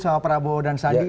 sama prabowo dan sandi